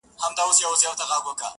پېژندلی پر ایران او پر خُتن وو-